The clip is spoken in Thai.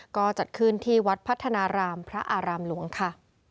ก็จัดขึ้นที่วัดพัฒนารามพระอารามหลวงค่ะ